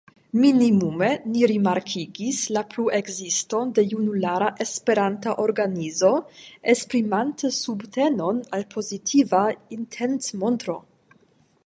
Minimume ni rimarkigis la pluekziston de junulara esperanta organizo esprimante subtenon al pozitiva intencmontro.